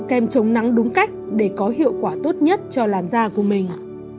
hãy sử dụng kem chống nắng đúng cách để có hiệu quả tốt nhất cho làn da của mình